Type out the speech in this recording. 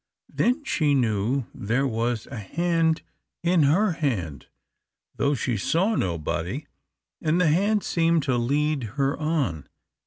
Then she knew there was a hand in her hand, though she saw nobody, and the hand seemed to lead her on.